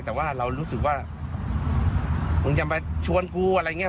แต่ว่าเรารู้สึกว่ามึงจะมาชวนกูอะไรอย่างนี้